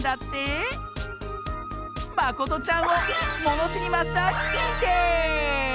まことちゃんをものしりマスターににんてい！